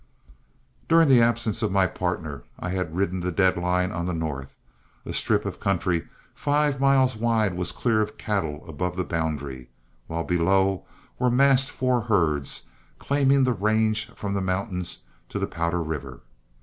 During the absence of my partner, I had ridden the dead line on the north. A strip of country five miles wide was clear of cattle above the boundary, while below were massed four herds, claiming the range from the mountains to the Powder River.